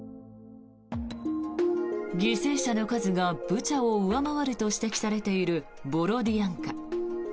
犠牲者の数がブチャを上回ると指摘されているボロディアンカ。